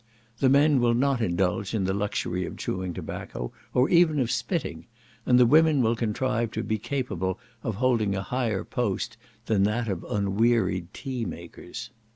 The men will not indulge in the luxury of chewing tobacco, or even of spitting, and the women will contrive to be capable of holding a higher post than that of unwearied tea makers.